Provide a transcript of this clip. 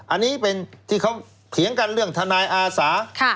อันนี้เป็นที่เขาเถียงกันเรื่องทนายอาสา